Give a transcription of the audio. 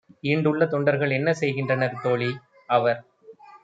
ஈண்டுள்ள தொண்டர்கள் என்ன செய்கின்றனர்? தோழி - அவர்